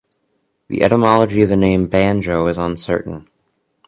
The etymology of the name "banjo" is uncertain.